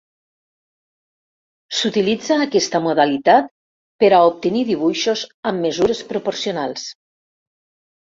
S'utilitza aquesta modalitat per a obtenir dibuixos amb mesures proporcionals.